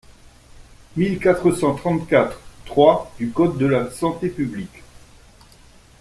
mille quatre cent trente-quatre-trois du code de la santé publique.